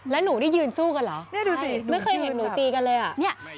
แล้วหนูนี่ยืนสู้กันเหรอไม่เคยเห็นหนูตีกันเลยอะ